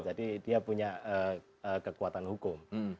jadi dia punya kekuatan hukum